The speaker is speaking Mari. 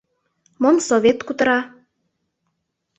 Мом Совет кутыра?